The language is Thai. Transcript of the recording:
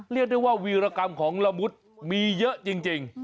เรียกได้ว่าวีรกรรมของละมุดมีเยอะจริง